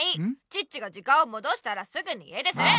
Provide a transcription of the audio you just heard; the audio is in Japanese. チッチが時間をもどしたらすぐに家出する！